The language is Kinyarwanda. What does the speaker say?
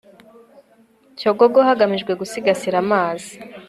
cyogogo hagamijwe gusigasira amazi